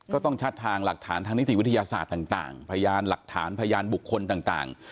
ชัดทางหลักฐานทางนิติวิทยาศาสตร์ต่างพยานหลักฐานพยานบุคคลต่าง